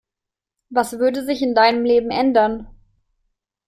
Was würde sich in deinem Leben ändern?